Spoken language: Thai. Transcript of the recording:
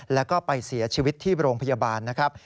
แล้วก็ไปเสียชีวิตที่โรงพยาบาลนะครับ